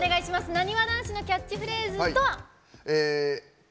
なにわ男子のキャッチフレーズとは？